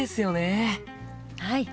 はい。